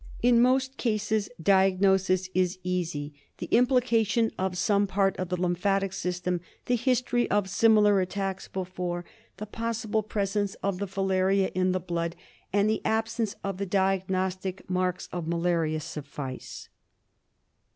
In most cases diagnosis is easy. The implication of some part of the lymphatic system, the history of similar attacks before, the possible presence of the filaria in the blood, and the absence of the diagnostic marks of malaria suffice.